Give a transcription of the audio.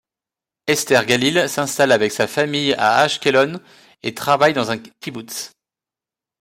Esther Galil s'installe avec sa famille à Ashkelon et travaille dans un kibboutz.